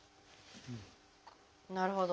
なるほど。